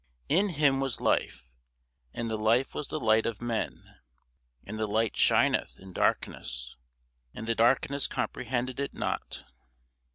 In him was life; and the life was the light of men. And the light shineth in darkness; and the darkness comprehended it not.